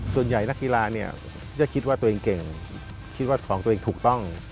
ส่วนใหญ่นักกีฬาจะคิดว่าตัวเองเก่งคิดว่าของตัวเองถูกต้อง